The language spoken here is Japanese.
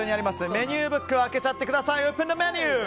メニューブックを開けちゃってください。